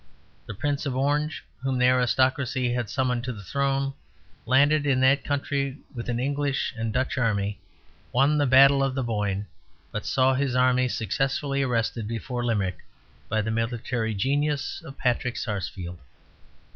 The Prince of Orange, whom the aristocracy had summoned to the throne, landed in that country with an English and Dutch army, won the Battle of the Boyne, but saw his army successfully arrested before Limerick by the military genius of Patrick Sarsfield.